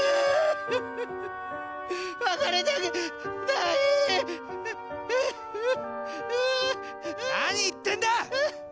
何言ってんだ！